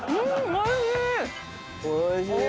おいしーい！